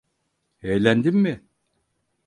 Eğlendin mi?